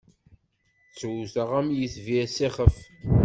Ttewwteɣ am yitbir s ixef.